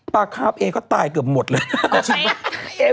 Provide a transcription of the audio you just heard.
ปากคาวทร์พี่เอ๊ะก็ตายเกือบหมดเลย